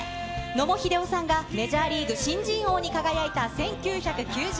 野茂英雄さんがメジャーリーグ新人王に輝いた１９９５年。